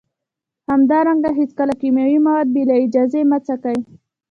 همدارنګه هیڅکله کیمیاوي مواد بې له اجازې مه څکئ